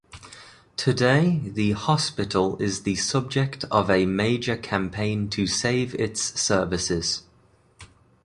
Today the hospital is the subject of a major campaign to save its services.